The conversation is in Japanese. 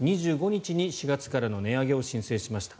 ２５日に４月からの値上げを申請しました。